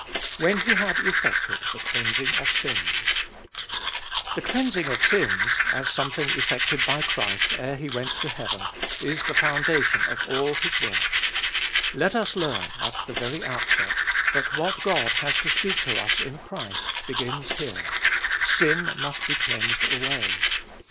When He had effected the cleansing of sins. The cleans 1 Effected the cleansing. Gbe ibolfest ot Bll ing of sins, as something effected by Christ ere He went to heaven, is the foundation of all His work. Let us learn, at the very outset, that what God has to speak to us in Christ begins here : sin must be cleansed away.